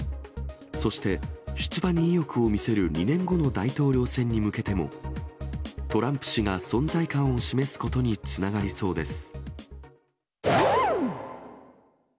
そして、出馬に意欲を見せる２年後の大統領選に向けても、トランプ氏が存在感を示すことにつながりそうです。